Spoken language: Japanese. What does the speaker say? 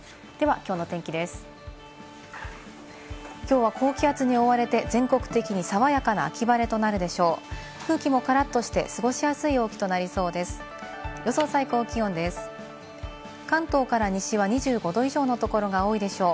きょうは高気圧に覆われて全国的に爽やかな秋晴れとなるでしょう。